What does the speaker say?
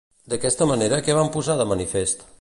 D'aquesta manera, què van posar de manifest?